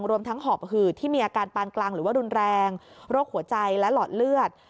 รวมทั้งหอบหืดที่มีอาการปานกลางหรือว่ารุนแรงโรคหัวใจและหลอดเลือด